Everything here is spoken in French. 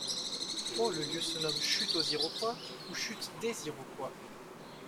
Au le lieu se nomme Chute-aux-Iroquois ou Chute-des-Iroquois.